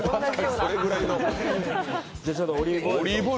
それぐらいの。